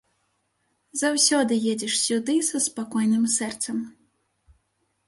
Заўсёды едзеш сюды са спакойным сэрцам.